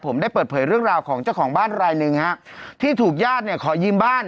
ผมได้เปิดเผยเรื่องราวของเจ้าของบ้านรายหนึ่งฮะที่ถูกญาติเนี่ยขอยืมบ้าน